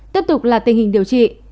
tiếp tục là tình hình điều trị